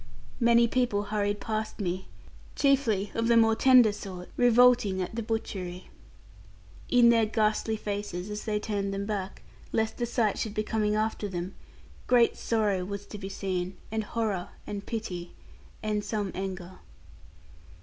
Many people hurried past me, chiefly of the more tender sort, revolting at the butchery. In their ghastly faces, as they turned them back, lest the sight should be coming after them, great sorrow was to be seen, and horror, and pity, and some anger.